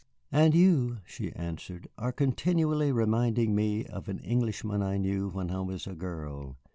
"And you," she answered, "are continually reminding me of an Englishman I knew when I was a girl.